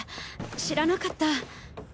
知らなかった。